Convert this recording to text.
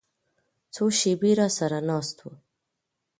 څو شېبې راسره ناست و.